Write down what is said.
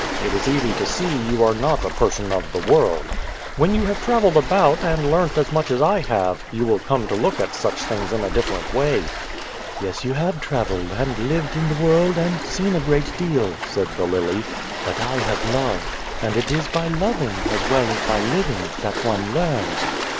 It is easy to see you are not a person of the world. When you have 157 The Garden of God travelled about, and learnt as much as I have, you will come to look at such things in a different way." " Yes, you have travelled, and lived in the world, and seen a great deal," said the lily ;" but I have loved; and it is by loving, as well as by living, that one learns."